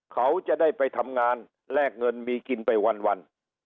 เขาจะได้ไปทำงานแลกเงินมีกินไปวัน